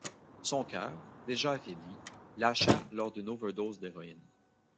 Son cœur, déjà affaibli, lâcha lors d'une overdose d'héroïne.